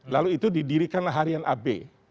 lalu itu didirikanlah harian ab